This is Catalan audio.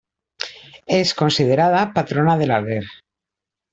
És considerada patrona de l'Alguer.